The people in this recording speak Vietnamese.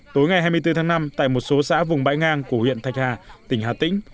tối ngày hai mươi bốn tháng năm tại một số xã vùng bãi ngang của huyện thạch hà tỉnh hà tĩnh